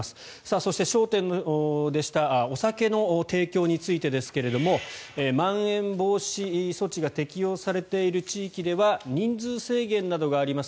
そして、焦点でしたお酒の提供についてですがまん延防止措置が適用されている地域では人数制限などがあります。